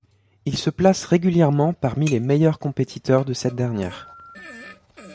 Ils se placent régulièrement parmi les meilleurs compétiteurs de cette dernière.